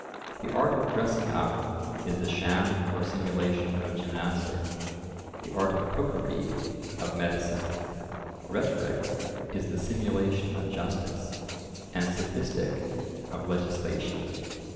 The art of dressing up is the sham or simulation of gymnastic, the art of cookery, of medicine; rhetoric is the simulation of justice, and sophistic of legislation.